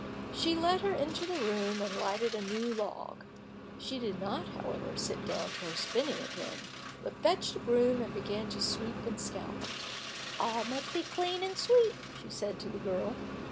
She led her into the room and lighted a new log. She did not, however, sit down to her spinning again, but fetched a broom and began to sweep and scour, "All must be clean and sweet," she said to the girl.